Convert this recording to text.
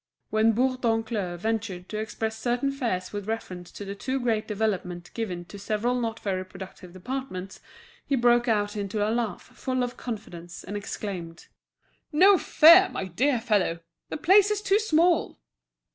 When Bourdoncle ventured to express certain fears with reference to the too great development given to several not very productive departments, he broke out into a laugh full of confidence, and exclaimed: "No fear! my dear fellow, the place is too small!"